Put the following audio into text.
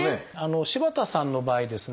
柴田さんの場合ですね